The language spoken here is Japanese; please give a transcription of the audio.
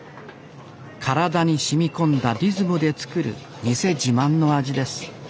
体にしみこんだリズムで作る店自慢の味です